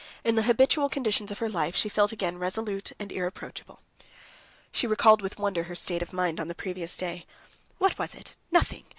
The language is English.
In the habitual conditions of her life she felt again resolute and irreproachable. She recalled with wonder her state of mind on the previous day. "What was it? Nothing.